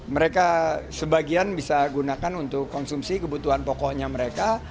mereka sebagian bisa gunakan untuk konsumsi kebutuhan pokoknya mereka